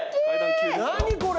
何これ！